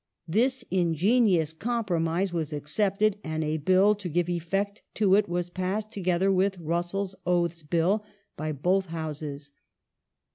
This ingenious compromise was accepted and a Bill to give effect to it was passed, together with Russell's Oaths Bill, by both Houses.